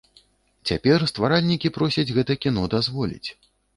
Цяпер стваральнікі просяць гэта кіно дазволіць.